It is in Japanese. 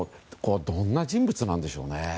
どんな人物なんでしょうね。